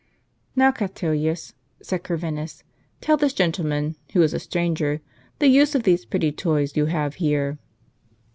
"Now, Catulus," said Corvinus, "tell this gentleman, who is a stranger, the use of these pretty toys you have here."